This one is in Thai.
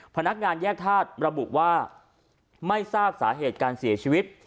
พนักงานแยกธาตุระบุว่าไม่ทราบสาเหตุการเสียชีวิต